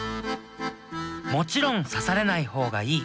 もちろん刺されない方がいい。